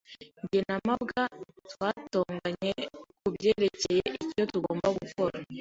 Jye na mabwa twatonganye kubyerekeye icyo tugomba gukora.